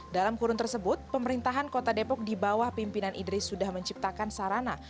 dalam kurun tersebut pemerintahan kota depok di bawah pimpinan idris sudah menciptakan sarana